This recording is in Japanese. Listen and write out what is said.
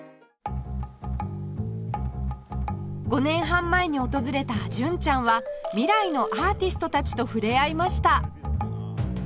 ５年半前に訪れた純ちゃんは未来のアーティストたちと触れ合いました